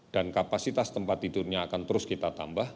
dan kapasitas tempat tidurnya akan terus kita tambah